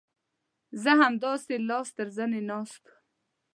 زه همداسې لاس تر زنې ناست وم.